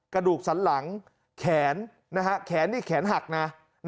กระดูกสันหลังแขนแขนนี่แขนหักนะ